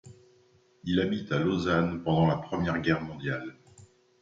Il habite à Lausanne pendant la Première Guerre mondiale.